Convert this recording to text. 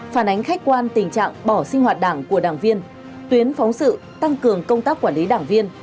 phản ánh khách quan tình trạng bỏ sinh hoạt đảng của đảng viên tuyến phóng sự tăng cường công tác quản lý đảng viên